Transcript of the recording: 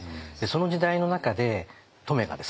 その時代の中で乙女がですね